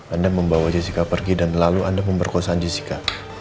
anda membawa jessica pergi dan lalu anda memperkosaan jessica